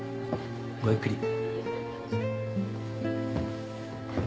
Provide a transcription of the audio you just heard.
ごゆっくり。